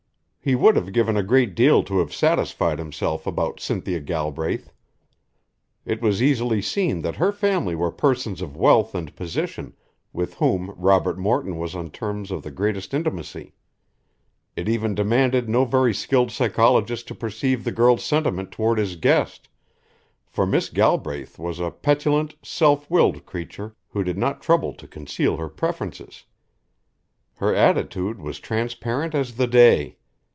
He would have given a great deal to have satisfied himself about Cynthia Galbraith. It was easily seen that her family were persons of wealth and position with whom Robert Morton was on terms of the greatest intimacy. It even demanded no very skilled psychologist to perceive the girl's sentiment toward his guest, for Miss Galbraith was a petulent, self willed creature who did not trouble to conceal her preferences. Her attitude was transparent as the day.